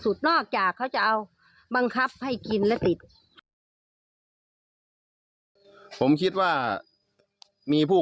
นอกจากเขาจะเอาบังคับให้กินและติดผมคิดว่ามีผู้